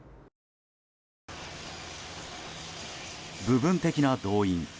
部分的な動員。